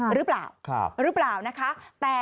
หรือเปล่าหรือเปล่านะคะ